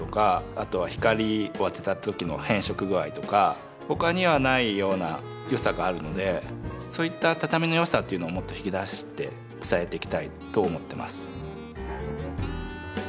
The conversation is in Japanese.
あとは光を当てた時の変色具合とか他にはないような良さがあるのでそういった畳の良さというのをもっと引き出して伝えていきたいと思ってます。